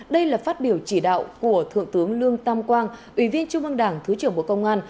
đây là phát biểu chỉ đạo của thượng tướng lương tam quang ủy viên trung ương đảng thứ trưởng bộ công an